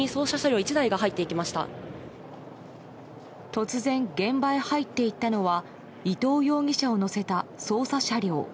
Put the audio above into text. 突然、現場へ入っていったのは伊藤容疑者を乗せた捜査車両。